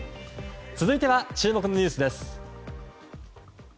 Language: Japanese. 続いては注目のニュースです。